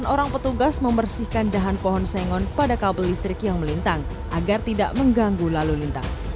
delapan orang petugas membersihkan dahan pohon sengon pada kabel listrik yang melintang agar tidak mengganggu lalu lintas